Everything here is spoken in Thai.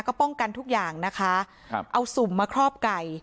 ก็ป้องกันทุกอย่างนะคะครับเอาสุ่มมาครอบไก่